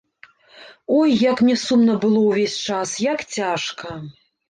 Ой, як мне сумна было ўвесь час, як цяжка.